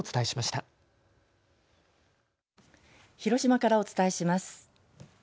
広島からお伝えします。